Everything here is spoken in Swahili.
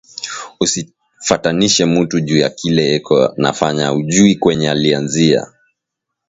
Usifatanishe mutu juya kile eko nafanya aujuwi kwenyewe alianzia